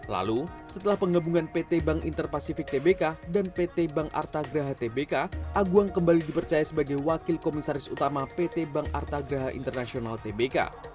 lalu setelah penggabungan pt bank interpasifik tbk dan pt bank artagraha tbk aguang kembali dipercaya sebagai wakil komisaris utama pt bank artagraha international tbk